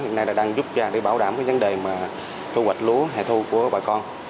hiện nay đang giúp ra để bảo đảm vấn đề thu hoạch lúa hệ thu của bà con